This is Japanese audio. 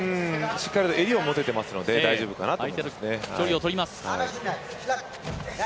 しっかりと襟を持てているので大丈夫かなと思いますね。